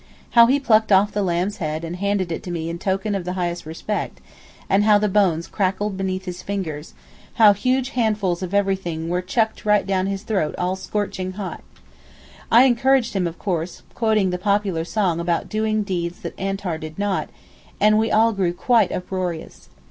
How he plucked off the lamb's head and handed it to me in token of the highest respect, and how the bones cracked beneath his fingers—how huge handfuls of everything were chucked right down his throat all scorching hot. I encouraged him of course, quoting the popular song about 'doing deeds that Antar did not' and we all grew quite uproarious.